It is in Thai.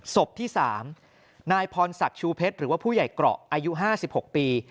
ศพที่๓นายพรศักดิ์ชูเพชรหรือว่าผู้ใหญ่เกราะอายุ๕๖ปี